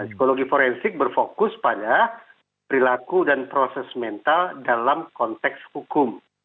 psikologi forensik berfokus pada perilaku dan proses mental dalam konteks hukum